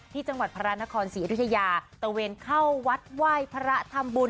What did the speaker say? จังหวัดพระนครศรีอยุธยาตะเวนเข้าวัดไหว้พระทำบุญ